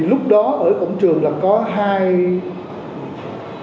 lúc đó ở cổng trường là có hai đồng phục